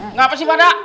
ngapas sih pada